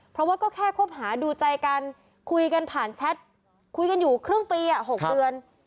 เพราะว่าก็แค่คบหาดูใจกันคุยกันผ่านแชทคุยกันอยู่ครึ่งปี๖เดือน